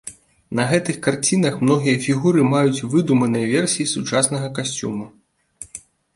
На гэтых карцінах многія фігуры маюць выдуманыя версіі сучаснага касцюму.